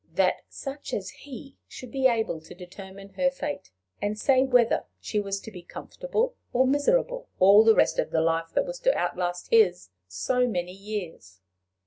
that such as he should be able to determine her fate, and say whether she was to be comfortable or miserable all the rest of a life that was to outlast his so many years!